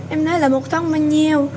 em nói là một thân bao nhiêu